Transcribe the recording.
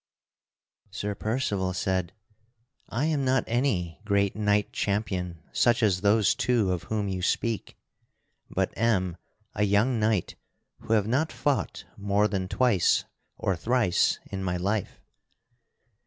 Sir Percival said: "I am not any great knight champion such as those two of whom you speak, but am a young knight who have not fought more than twice or thrice in my life."